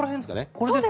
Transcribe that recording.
これですか？